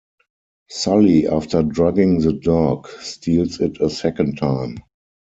Sully, after drugging the dog, steals it a second time.